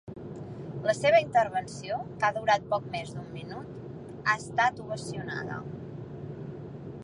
La seva intervenció, que ha durat poc més d’un minut, ha estat ovacionada.